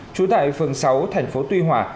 chú tại phường sáu thành phố tuy hòa